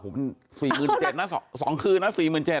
๔คืนเจ็ดนะ๒คืนนะ